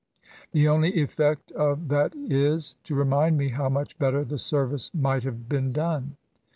The only effect of tliat is^ to remind me how much better the service might have been done.